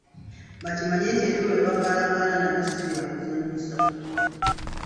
Bakimanye nti ebyuma bye bakaalakaala nabyo si byakuzannyisa